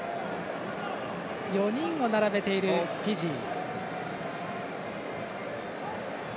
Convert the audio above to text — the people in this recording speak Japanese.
４人を並べているフィジー。